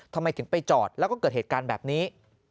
ทำไมถึงไปจอดแล้วก็เกิดเหตุการณ์แบบนี้